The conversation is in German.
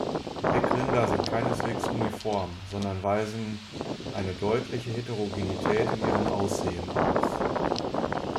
Heckrinder sind keineswegs uniform, sondern weisen eine deutliche Heterogenität in ihrem Aussehen auf.